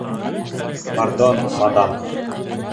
- Пардон, мадам...